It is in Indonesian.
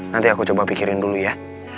nanti aku coba pikirin dulu ya